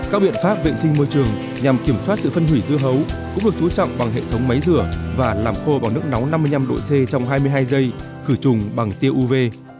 các biện pháp vệ sinh môi trường nhằm kiểm soát sự phân hủy dưa hấu cũng được chú trọng bằng hệ thống máy rửa và làm khô bằng nước nóng năm mươi năm độ c trong hai mươi hai giây khử trùng bằng tiêu uv